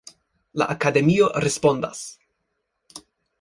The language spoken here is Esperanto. La Akademio respondas.